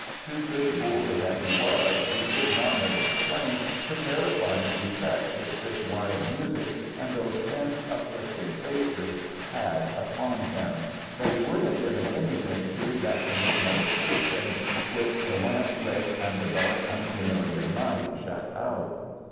Stupid boor that he was, he could not have explained the terrifying effect which this wild music and those tense, uplifting faces had upon him, but he would have given anything to be back in his mother's kitchen, with the lamp lit and the dark, unfamiliar night shut out.